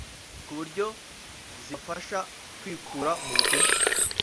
ku buryo zibafasha kwikura mu bukene